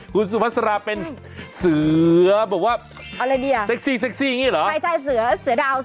คู่กัดสะบัดข่าว